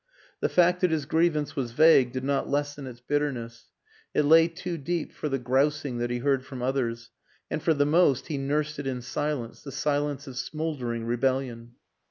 The fact that his grievance wa& vague did not lessen its bitterness; it lay too deep for the grousing that he heard from others, and for the most he nursed it in silence, the silence of smoldering rebellion.